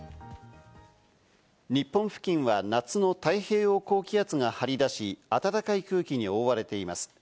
日本付近は夏の太平洋高気圧が張り出し、暖かい空気に覆われています。